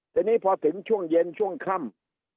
ทีนี้พอถึงช่วงเย็นช่วงค่ำ